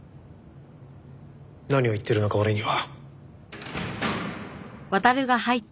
何を言ってるのか俺には。